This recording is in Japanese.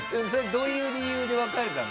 どういう理由で別れたの？